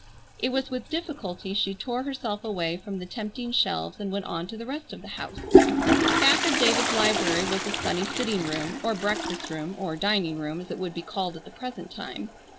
It was with difficulty she tore herself away from the tempting shelves and went on to the rest of the house. Back of David's library was a sunny sitting room, or breakfast room,—or "dining room" as it would be called at the present time.